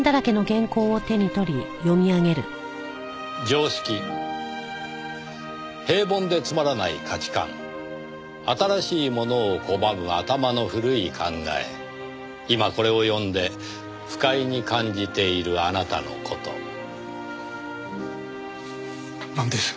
「常識」「平凡でつまらない価値観」「新しいものを拒む頭の古い考え」「今これを読んで不快に感じているあなたの事」なんです？